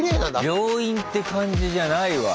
病院って感じじゃないわ。